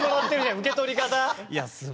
受け取り方。